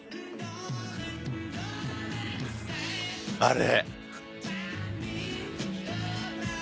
あれ！